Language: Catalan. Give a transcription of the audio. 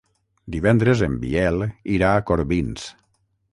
Divendres en Biel irà a Corbins.